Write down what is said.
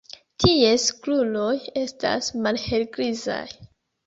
Ties kruroj estas malhelgrizaj.